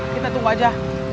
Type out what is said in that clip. kita tunggu aja